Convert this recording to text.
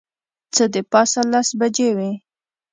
څه د پاسه لس بجې وې.